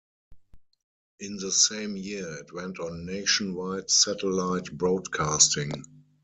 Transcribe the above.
In the same year, it went on nationwide satellite broadcasting.